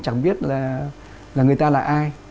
chẳng biết là người ta là ai